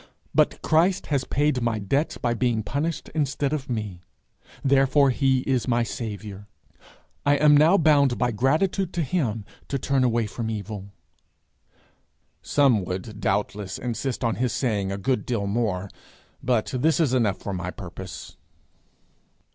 But Christ has paid my debts, by being punished instead of me. Therefore he is my Saviour. I am now bound by gratitude to him to turn away from evil.' Some would doubtless insist on his saying a good deal more, but this is enough for my purpose.